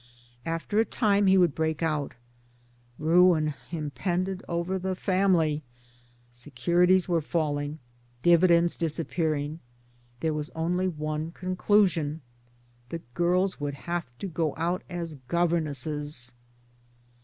After a time he would break out. " Ruin impended over the family," securities were falling, dividends disappear ing ; there was only one conclusion " the girls would have to go out as governesses."